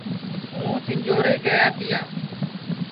ہُوں سِنجھورے گِیا تِیا